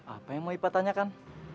apa yang mau ipa tanyakan